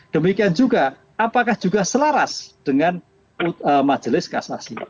demikian juga apakah juga selaras dengan majelis kasasi